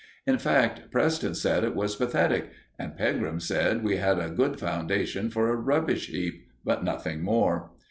In fact, Preston said it was pathetic, and Pegram said we had a good foundation for a rubbish heap, but nothing more.